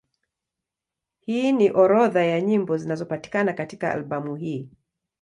Hii ni orodha ya nyimbo zinazopatikana katika albamu hii.